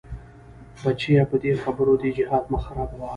بچيه په دې خبرو دې جهاد مه خرابوه.